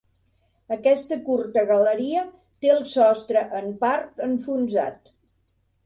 Aquesta curta galeria té el sostre en part enfonsat.